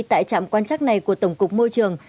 tại trạm quan trắc này của tổng cục môi trường